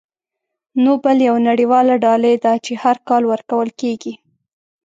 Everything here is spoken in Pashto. نوبل یوه نړیواله ډالۍ ده چې هر کال ورکول کیږي.